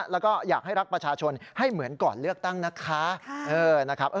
แล้วก็อยากให้รักประชาชนให้เหมือนก่อนเลือกตั้งนะคะ